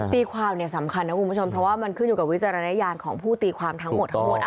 ตีความเนี่ยสำคัญนะคุณผู้ชมเพราะว่ามันขึ้นอยู่กับวิจารณญาณของผู้ตีความทั้งหมดทั้งมวล